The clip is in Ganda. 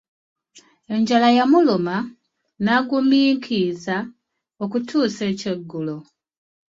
Enjala yamuluma naguminkiiza okutuusa ekyeggulo .